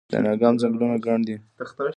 دانګام ځنګلونه ګڼ دي؟